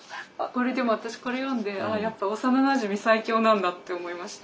でも私これ読んでやっぱ幼なじみ最強なんだって思いました。